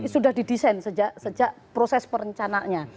sudah didesain sejak proses perencanaannya